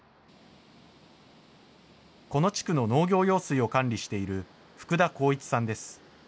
この地区の農業用水を管理している福田浩一さんです。